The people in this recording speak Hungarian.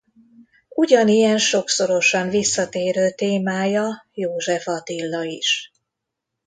Ugyanilyen sokszorosan visszatérő témája József Attila is.